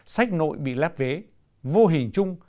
sách nội bị lắp vế vô hình chung